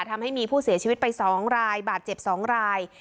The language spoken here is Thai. ทำให้มีผู้เสียชีวิตไป๒รายบาดเจ็บ๒ราย